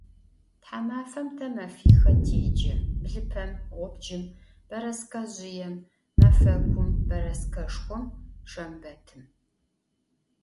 Themafem te mefixe têce: blıpem, ğubcım, bereskezjıêm, mefekum, bereskeşşxom, şşembetım.